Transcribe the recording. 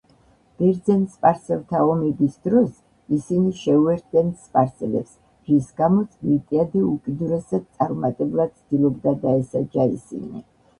ბერძენ–სპარსელთა ომების დროს ისინი შეუერთდნენ სპარსელებს, რის გამოც მილტიადე უკიდურესად წარუმატებლად ცდილობდა დაესაჯა ისინი.